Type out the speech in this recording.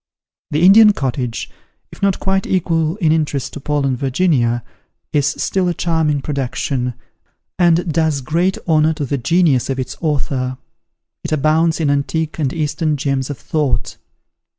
The "Indian Cottage," if not quite equal in interest to "Paul and Virginia," is still a charming production, and does great honour to the genius of its author. It abounds in antique and Eastern gems of thought.